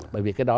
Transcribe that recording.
bởi vì cái đó